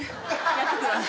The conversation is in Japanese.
やっとくわ。